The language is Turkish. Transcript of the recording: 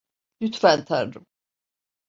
Lütfen Tanrım.